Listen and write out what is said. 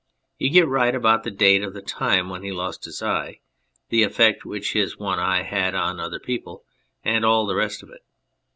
You get right about the date of the time when he lost his eye, the effect which his one eye had on other people, and all the rest of it.